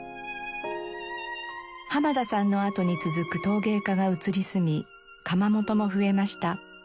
濱田さんの後に続く陶芸家が移り住み窯元も増えました。